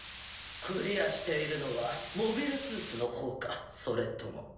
クリアしているのはモビルスーツの方かそれとも。